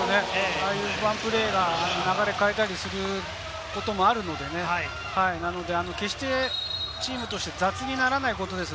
ああいうワンプレーが流れを変えたりすることもあるので、決してチームとして、雑にならないことです。